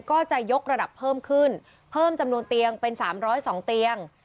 ก็จะยกระดับเพิ่มขึ้นเพิ่มจำนวนเตียงเป็น๓๐๒เตียง